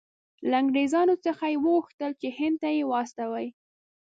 له انګریزانو څخه یې وغوښتل چې هند ته یې واستوي.